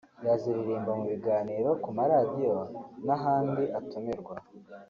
yaziririmba mu biganiro ku maradiyo n'ahandi atumirwa